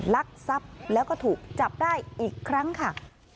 ลักทรัพย์แล้วก็ถูกจับได้อีกครั้งค่ะ